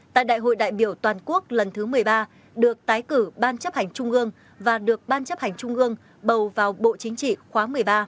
tại đại hội đại biểu toàn quốc lần thứ một mươi ba được tái cử ban chấp hành trung ương và được ban chấp hành trung ương bầu vào bộ chính trị khóa một mươi ba